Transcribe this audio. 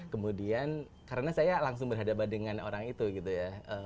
kemudian karena saya langsung berhadapan dengan orang itu gitu ya